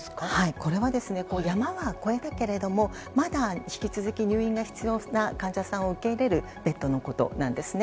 これは、山は越えたけれどもまだ引き続き入院が必要な患者さんを受け入れるベッドのことなんですね。